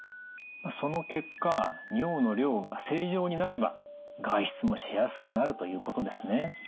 その結果尿の量が正常になれば外出もしやすくなるということですね。